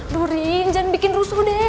during jangan bikin rusuh deh